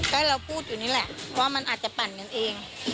ก็เราพูดอยู่นี่แหละว่ามันอาจจะปั่นกันเอง